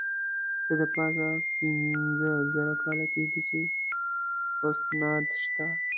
څه د پاسه پینځه زره کاله کېږي چې اسناد شته.